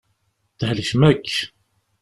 Thelkem akk.